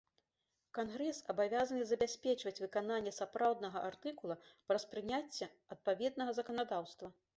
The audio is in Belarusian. Кангрэс абавязаны забяспечваць выкананне сапраўднага артыкула праз прыняцце адпаведнага заканадаўства.